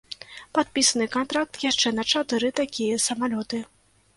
Падпісаны кантракт яшчэ на чатыры такія самалёты.